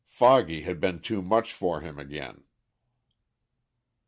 Foggy had been too much for him again."